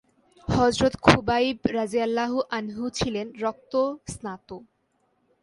হযরত খুবাইব রাযিয়াল্লাহু আনহু ছিলেন রক্তস্নাত।